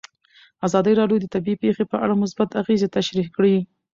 ازادي راډیو د طبیعي پېښې په اړه مثبت اغېزې تشریح کړي.